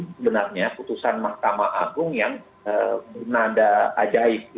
sebenarnya putusan mahkamah agung yang bernada ajaib